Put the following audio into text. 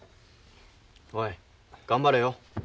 おい頑張れよ。